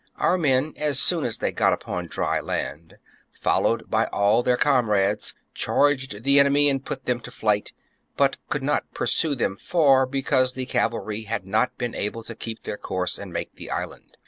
Our men, as soon as they got upon dry land, followed by all their comrades, charged the enemy and put them to flight, but could not pursue them far because the cavalry had not been able to keep their course and make the island.